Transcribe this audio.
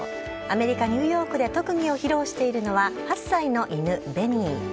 アメリカ・ニューヨークで特技を披露しているのは、８歳の犬、ベニー。